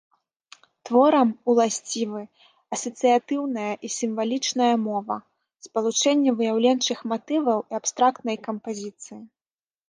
Творам уласцівы асацыятыўная і сімвалічная мова, спалучэнне выяўленчых матываў і абстрактнай кампазіцыі.